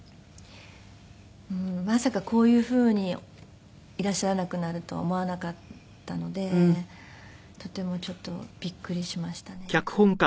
まさかこういうふうにいらっしゃらなくなるとは思わなかったのでとてもちょっとびっくりしましたね。